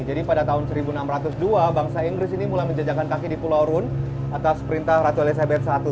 jadi pada tahun seribu enam ratus dua bangsa inggris ini mulai menjejakkan kaki di pulau rune atas perintah ratu elizabeth i